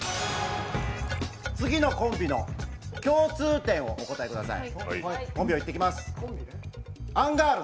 次のコンビの共通点をお答えください。